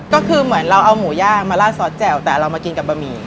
ก็คือเหมือนเราเอาหมูย่างมาลาดซอสแจ่วแต่เรามากินกับบะหมี่